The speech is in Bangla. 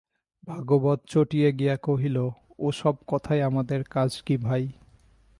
ভাগবত চটিয়া গিয়া কহিল, ও-সব কথায় আমাদের কাজ কী ভাই?